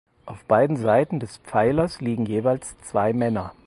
Auf beiden Seiten des Pfeilers liegen jeweils zwei Männer.